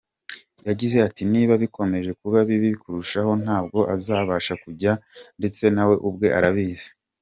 Yagize ati “Niba bikomeje kuba bibi kurushaho ntabwo azabasha kujyayo ndetse nawe ubwe arabizi.